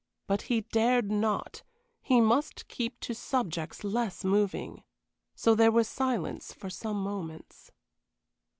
But he dared not he must keep to subjects less moving. So there was silence for some moments.